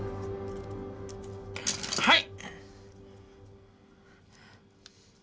はい！